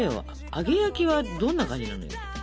揚げ焼きはどんな感じなのよ？